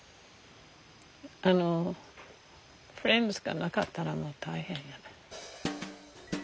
あのフレンズがなかったらもう大変やね。